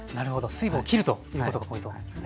水分を切るということがポイントですね。